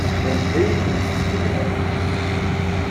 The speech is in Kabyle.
Anda ay ten-tekliḍ?